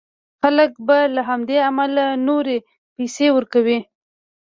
خلک به له همدې امله نورې پيسې ورکوي.